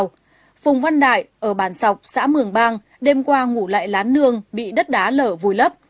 phùng văn đại ở bàn sọc xã mường bang đêm qua ngủ lại lán nương bị đất đá lở vùi lấp